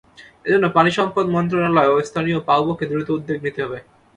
এ জন্য পানিসম্পদ মন্ত্রণালয় ও স্থানীয় পাউবোকে দ্রুত উদ্যোগ নিতে হবে।